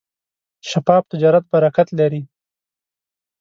شفاف تجارت برکت لري.